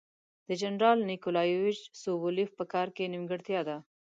د جنرال نیکولایویچ سوبولیف په کار کې نیمګړتیا ده.